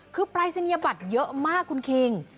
คือปลายศิลปัตย์เยอะมากคุณคิง